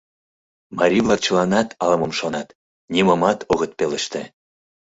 Марий-влак чыланат ала-мом шонат, нимомат огыт пелеште.